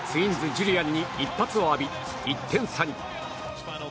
ジュリアンに一発を浴び１点差に。